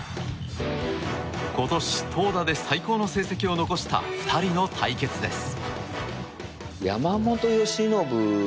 今年、投打で最高の成績を残した２人の対決です。